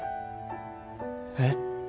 えっ？